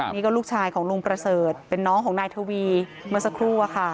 นี่ก็ลูกชายของลุงประเสริฐเป็นน้องของนายทวีเมื่อสักครู่อะค่ะ